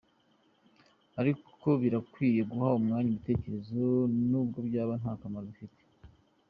Ariko birakwiye guha umwanya ibitekerezo nubwo byaba nta kamaro bifite.